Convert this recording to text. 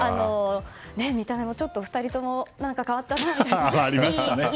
見た目も２人とも変わったなと。